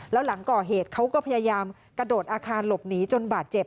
แล้วหลังก่อเหตุเขาก็พยายามกระโดดอาคารหลบหนีจนบาดเจ็บ